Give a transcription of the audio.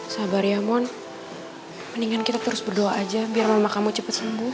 sabar ya mohon mendingan kita terus berdoa aja biar mama kamu cepat sembuh